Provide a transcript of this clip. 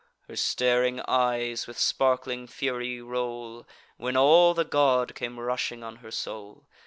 Her staring eyes with sparkling fury roll; When all the god came rushing on her soul.